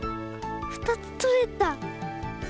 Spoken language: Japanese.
２つとれた！